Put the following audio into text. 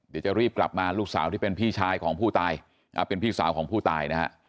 เดี๋ยวจะรีบกลับมาลูกสาวที่เป็นพี่สาวของผู้ตายนะฮะ